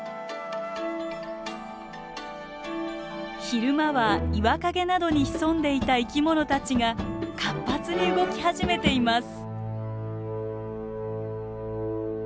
昼間は岩陰などに潜んでいた生きものたちが活発に動き始めています。